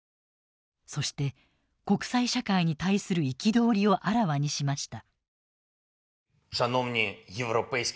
そして国際社会に対する憤りをあらわにしました。